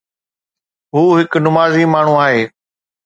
هو هڪ نمازي ماڻهو آهي